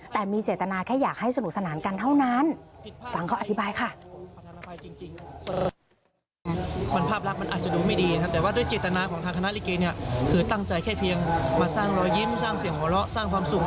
แต่มีเจตนาแค่อยากให้สนุกสนานกันเท่านั้นฟังเขาอธิบายค่ะ